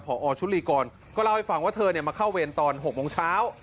พอชุลีกรก็เล่าให้ฟังว่าเธอมาเข้าเวรตอน๖โมงเช้า